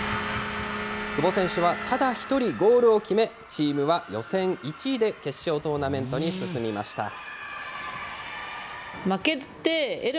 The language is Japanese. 久保選手はただ一人、ゴールを決め、チームは予選１位で決勝トーナメントに進みました。